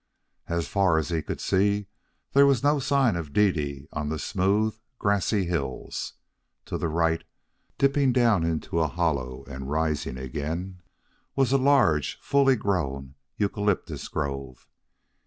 As far as he could see, there was no sign of Dede on the smooth, grassy hills. To the right, dipping down into a hollow and rising again, was a large, full grown eucalyptus grove.